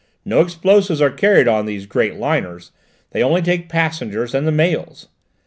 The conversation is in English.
No explosives are carried on these great liners; they only take passengers and the mails."